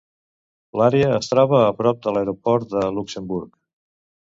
L'àrea es troba a prop de l'aeroport de Luxemburg.